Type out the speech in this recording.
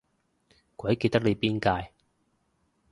鬼記得你邊屆